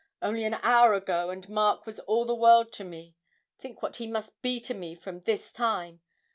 Only an hour ago and Mark was all the world to me think what he must be to me from this time!